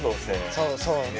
そうそう。ね。